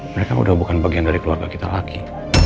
mereka udah bukan bagian dari keluarga kita laki